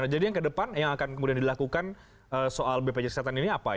jadi yang ke depan yang akan kemudian dilakukan soal bpjs ini apa ya